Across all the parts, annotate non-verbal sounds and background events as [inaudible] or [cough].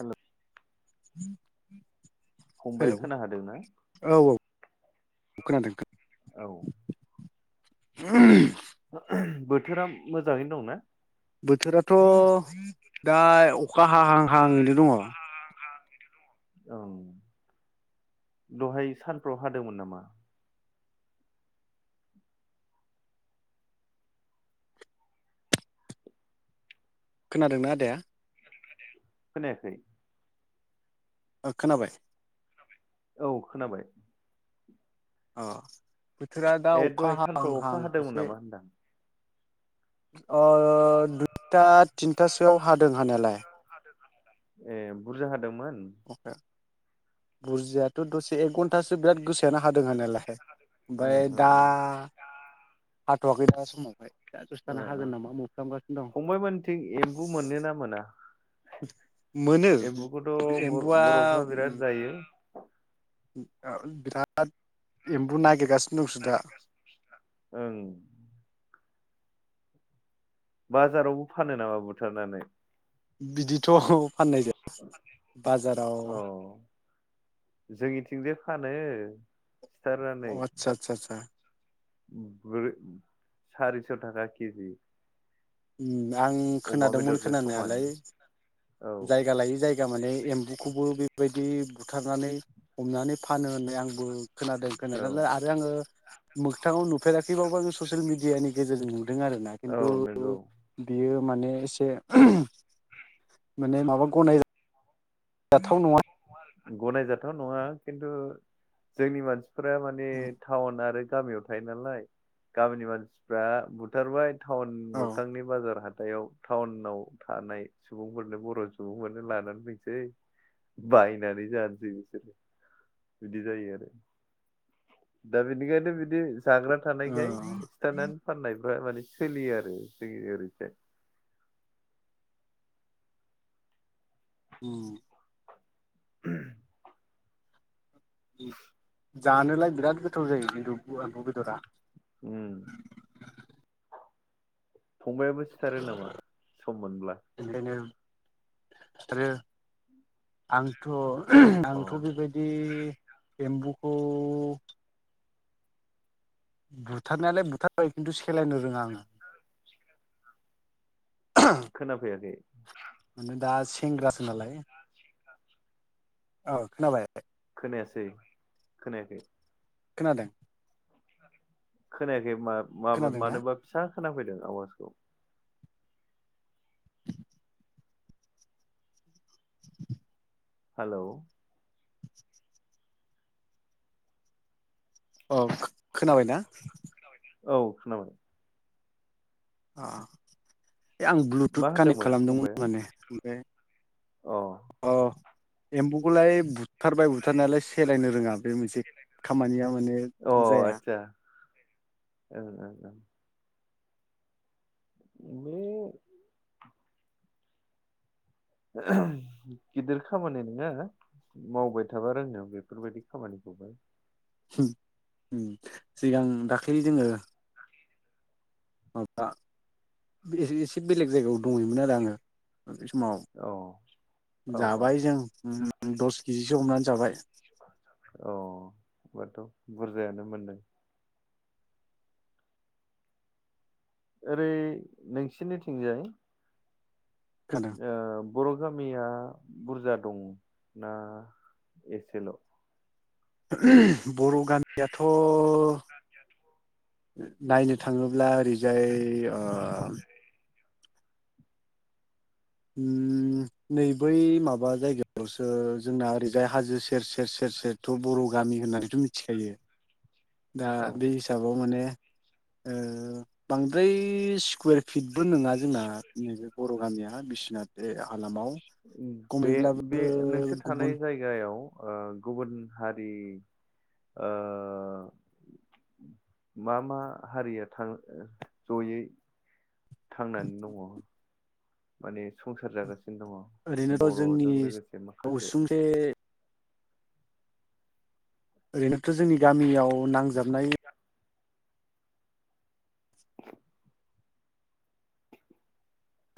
हेल' फंबाया हेलौ खोना हादों ना? औ औ खोनादों खो औ। [inaudible] बोथोरा मोजाङैनो दंना? बोथोराथ' दा अखा हाहां हाहाङैनो दङ अखा हाहां हाहांङैनो दङ। औं दहाय सानफ्राव हादोंमोन नामा? खोनादोंना आदाया? खोनायाखै। ओ खोनाबाय औ खोनाबाय। अ बोथोरा दा ए दहाय अखा हाहां सानफ्राव अखा हां हादोंमोन एसे नामा होनदां ओ दुइथा थिनथासोआव हादों हानायालाय। ए बुरजा हादोंमोन? बुरजायाथ' दसे एक घन्टासो बिराद गो सायानो हादों होननायलायहाय ओ ओमफ्राय ओ दा ओ हाथ'वाखै द समावहाय। दा दसे ओ थाना ओ हागोन नामा मोफ्लामगासिनो दं फंबायमोनथिं एम्बु मोननोना मोना? मोनो एम्बुखौथ' एम्बुआ ब-बर'फ्रा बिराद जायो। ओ बिराद एमबु नागिरगासि नागिरगासिनो मानसिफ्रा। बाजारावबो फानो नामा बुथारनानै? बिदिथ' फाननाय जाया बाजाराव अ जोंनिथिंजाय फानो बुथारनानै। सा सा। ब्रो सारिस' थाखा केजि। उम आं अमा खोनादोंमोन बेदरजों समान खोनानायालाय औ जायगा लायै जाय गा माने एम्बुखौबो बेबायदि बुथारनानै हमनानै फानो होननानै आंबो खोनादों औ खोनानायालाय आरो आङो मोगथाङाव नुफेराखैबाबो आङो ससियेल मिडियानि गेजेरजों नुदों आरोना औ खिन्थु नंगौ बियो माने एसे माने माबा गनाय गनायजाथाव नङा खिन्थु जोंनि मानसिफोरा माने टाउन आरो गामियाव थायो नालाय गामिनि मानसिफ्रा बुथारबाय। टाउन औ मोखांनि बाजार हाथायाव टाउनाव थानाय सुबुंफोरनो बर' सुबुंफोरनो लानानै फैसै। बायनानै जानसै बिसोरो बिदि जायो आरो। दा बिनिखायनो बिदि जाग्रा थानायखाय सिथारनानै फाननायफ्रा माने सोलियो आरो जोंनि ओरैजाय। ओम। [inaudible] जानोलाय बिराद गोथाव जायो खिन्थु एम्बु बेदरा। ओम। फंबाइयाबो सिथारो नामा? सम मोनब्ला। [unintelligible] सिथारो आंथ' आंथ' अ बेबायदि एम्बुखौ बुथारनायालाय बुथारो खिन्थु सेलायनो रोङा आङो। खो-खोनाफैयाखै। माने दा सेंग्रासो नालाय। [inaudible] औ खोनाबाय? खोनायासै खोनायाखै। खोनादों? खोनायाखै खोनादोंना मा-मा-मानोबा फिसा खोनाफैदों आवाजखौ। हेलौ अ खो-खोनाबाय ना? औ खोनाबाय। आ। ए आं मा ब्लुटुथ कानेक्ट होनदोंमोन खालामदोंमोन फंबाया माने ओमफाय अ अ एम्बुखोलाय बु थारबाय बुथारनायालाय सेलायनो रोङा बे मोनसे खामानिया माने अ जाया। आदसा ओं ओं ओं। [unintelligible] गिदिर खामानि नोङा मावबाय थाबा रोंगोन बेफोरबायदि खामानिखौबो। उम सिगां दाख्लै जोङो माबा बे एसे एसे बेलेग जायगायाव दंहैयोमोन आरो आङो। बे समाव औ औ औ जाबाय जों उहुम दस किजिसो हमनानै जाबाय। अ ओमबाथ' बुरजायानो मोनदों। ओरै नोंसिनिथिंजाय खोनादों। ओ बर' गामिया बुरजा दं ना एसेल'? बर' गामियाथ' नायनो थाङोब्ला ओरैजाय ओ उम नै बै माबा जायगायावसो जोंना ओरैजाय हाजो सेर सेर से र सेरथ' बर' गामि होननानैथ' मिथिखायो दा औ बे हिसाबाव माने ओ बांद्राय स्कुयेर फिडबो नोङा जोंना नैबे बर' गामिया हा बिस'नाथ बे हालामाव कमैब्लाबो गुबुन गायाव ओ गुबुन हारि ओ मा मा हारिया थां ओ जयै थांनानै दङ? माने संसार जागासिनो दङ? ओरैनोथ' जोंनि बर'जों लोगोसे माखासे उसुंसे ओरैनोथ' जोंनि गामियाव नांजाबनाय [inaudible]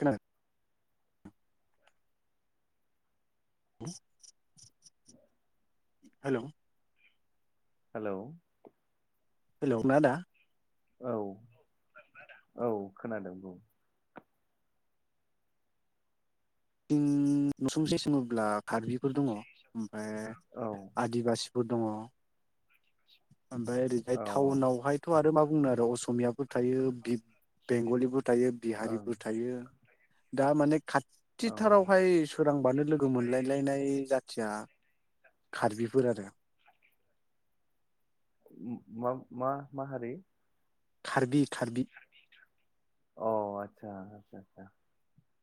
खोनादों। [inaudible] Hello hello. हेलौ ना आदा औ, खोनादोंना आदा?, औ खोनादों बुं। उम नसुंसे सोङोब्ला कार्बिफोर दङ ओमफ्राय औ आ दिबासिफोर दङ ओमफ्राय ओरैजाय औ थाउनावहाय थ' आरो मा बुंनो आरो असमियाबो थायो बि बि-बेंगलिबो थायो ओं बिहारिबो थायो। दा माने औ खाथिथारावहाय सोरांबानो लोगो मोनलायलायनाय जाथिया खार्बिफोर आरो। उम मा मा मा हारि? खार्बि खार्बि। अ आदसा आदसा आदसा।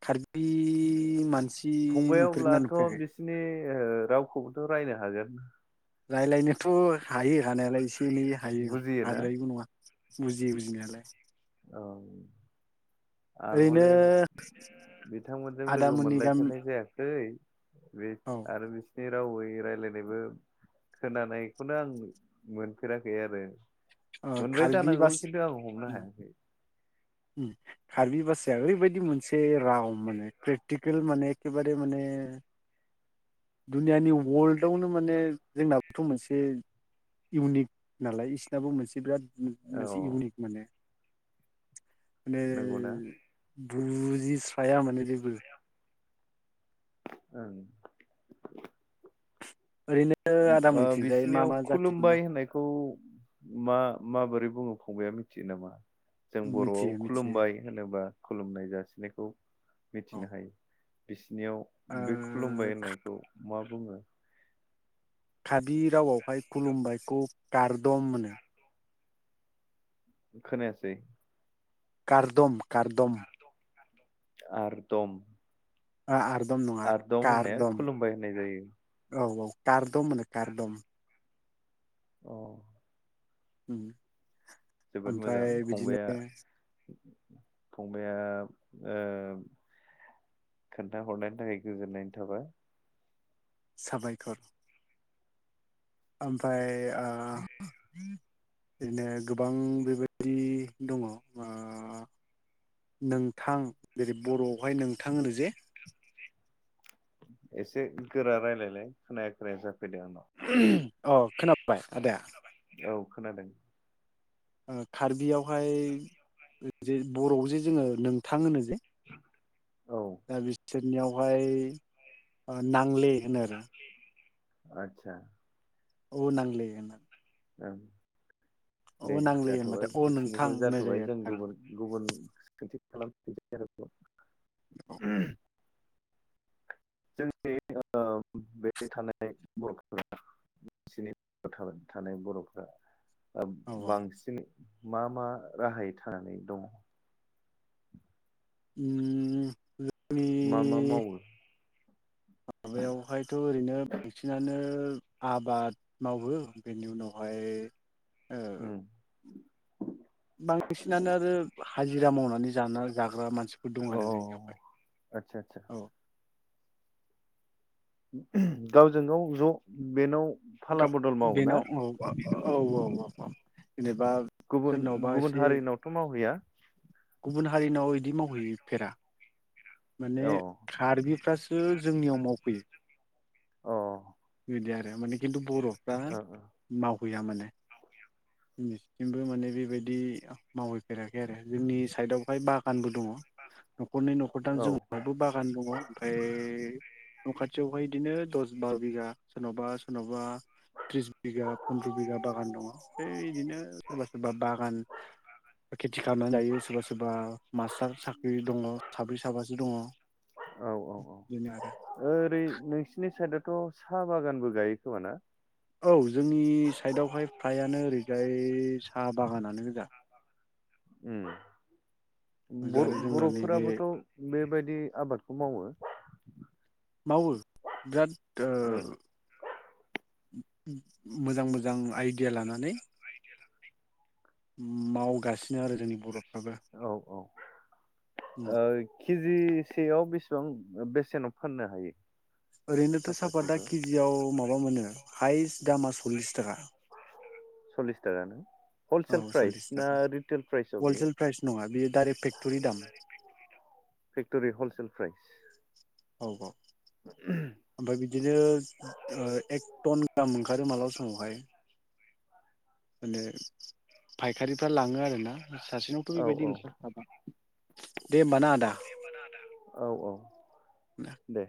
खार्बि मानसि नुफेरगोना नुफेराखै? सिनि ओ रावखौबोथ' रायनो हागोन। रायलायनोथ' हायो हानायालाय इसे एनै हायो बुजियोना हाद्रायिबो नङा। बुजियो बुजिनायालाय। औ आं ओरैनो हले बिथांमोनजों लोगो आदामोननि गामि मोनलायफेरनाय जायासै। बे औ आरो बे नि रावै रायलायनायबो खोनानायखौनो आं मोनफेराखै आरो। ओ मोनबाय कार्बि जानांगौ बास खिन्थु आं हमनो उम हायाखै। उम। कार्बि भासाया ओरैबायदि मोनसे राव माने क्रिटिकेल माने एखेबारे माने दुनियानि वर्ल्डआवनो माने जोंनाबोथ' मोनसे इउनिक नालाय बिसनाबो मोनसे बिराद ओम औ मोनसे इउनिक माने। माने नंगौना बुजिस्राया माने जेबो। [inaudible] ओं ओरैनो आदा अ मोनथिंजाय मा बिसिनियाव मा जाथिफोर दं खुलुमबाय होननाय खौ मा माबोरै बुङो फंबाया मिथियो नामा? जों बर'आव मिथियो मिथियो खुलुमबाय होनोबा खुलुमनाय जासिनायखौ औ मिथिनो हायो। बिसिनियाव बे ओ खुलुमबाय होननायखौ मा बुङो? काबि रावआवहाय खुलुमबायखौ कारदम होनो। खोनायासै? कारदम कारदम। आरदम आरदम नङा आरदम होननाया कारदम खुलुमबाय होननाय जायो औ औ कारदम होनो कारदम। अ उम जोबोद मोजां ओमफ्राय बिदिनो फंबाइआ फंबाया ओ खोन्थाहरनायनि थाखाय गोजोननाय थाबाय। साबायखर। ओमफ्राय आ बिदिनो गोबां बेबायदि दङ ओ नोंथां जेरै बर'आवहाय नोंथां होनो जे एसे गोरा रायलायलाय खोनाया खोनाया जाफैदों आंनाव। अ खोनाबाय आदाया? औ खोनादों। कार्बियावहाय जे बरआव जे जोङो नोंथां होनो बे औ दा बि बिसोरनियावहाय नांले होनो आरो। आदसा अ नांले होनो। ओ दे औ नांले होनबाथाय जाथ'बाय अ नोंथां बिसिनिफ्राय होननाय जाथ'बाय जायो आरो जों गुबुन कार्बिफोरनियाव गुबुन सोंथि खालामफिनसै आरोबाव जोंनि ओ बे थानाय बर'फोरा बिसिनि [inaudible] थानाय बर'फ्रा। औ औ बांसिनै मा मा राहायै थानानै दङ? उम मा मा जोंनि मावो? माबायावहायथ' ओरैनो बांसिनानो आबाद मावो बेनि उनावहाय ओ उम बांसिनानो आरो हाजिरा मावनानै जाना जाग्रा मानसिफोर दं आरो जोंनियावहाय। आतसा आतसा औ गावजों गाव ज' बेनाव फाला गा बदल मावो ना? बेनाव औ औ औ औ जेनेबा गुबुन सोरनावबा गुबुन एसे हारिनावथ' मावहैया? गुबुन हारिनाव इदि मावहैफेरा माने औ कार्बिफ्रासो जोंनियाव मावफैयो। अ। बिदि आरो माने खिन्थु बर'फ्रा मावहैया माने। दिनैसिमबो माने बेबायदि मावहैफेराखै आरो जोंनि साइडआवहाय बागानबो दङ। न'खरनै न'खर थाम औ जोंनावबो बागान दङ ओमफ्राय न' खाथियावहाय बिदिनो दस बार' बिगा सोरनावबा सोरनावबा त्रिस बिगा फन्द्र' बिगा बागान दङ बिदिनो सोरबा सोरबा बागान खेथि खालामनानै जायो सोरबा सोरबा मास्टार साख्रि दङ साब्रै साबासो दङ। औ औ औ बेनो आरो ओरै नोंसोरनि साइदआथ' साहा बागानबो गायो खोमाना? औ जोंनि साइडआवहाय फ्रायानो ओरैजाय साहा बागानानो गोजा। उ ओजा बर' आरो जोंना नैबे बर'फोराबोथ' बेबायदि आबादखौ मावो। मावो बिराद ओ ओं मोजां मोजां आइडिया लानानै मावगासिनो आरो जोंनि बर' औ औ उम ओइ किजिसेयाव बेसेबां ओ बेसेनाव फाननो हायो। ओरैनोथ' सापाता सापातिखौ केजियाव माबा मोनो हायेस्ट दामा सल्लिस थाखा। सल्लिस थाखा ना औ हलसेल प्राइस सल्लिस ना थाखा रिटेल प्राइसआव बेयो हलसेल प्राइस नङा बेयो डाइरेक्ट फेक्ट'रि दाम फेक्टरि हलसेल प्राइस औ औ ओमफ्राय बिदिनो ओ एक टन गाहाम ओंखारो मालाबा समावहाय माने फायखारिफ्रा लाङो आरोना सासेनावथ' औ बेबायदि औ ओंखारजाबा दे ओमबा ना आदा औ औ दे